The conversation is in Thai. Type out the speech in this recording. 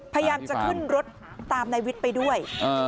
พยายามจะขึ้นรถตามนายวิทย์ไปด้วย